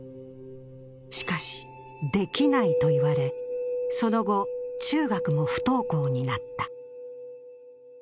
しかし、できないと言われその後、中学も不登校になった。